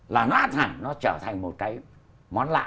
là nó át hẳn nó trở thành một cái món lạ